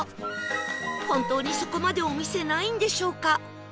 本当にそこまでお店ないんでしょうか？